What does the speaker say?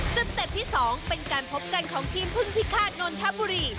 เต็ปที่๒เป็นการพบกันของทีมพึ่งพิฆาตนนทบุรี